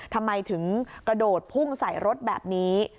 ทำไมถึงกระโดดพุ่งใส่รถแบบนี้